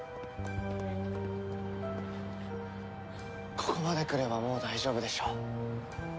ここまで来ればもう大丈夫でしょ。